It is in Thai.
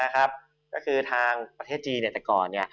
ก็คือทางประเทศจีนแต่ก่อน